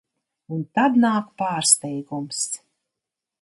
Un tad nāk pārsteigums.